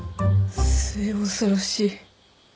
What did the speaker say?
末恐ろしい。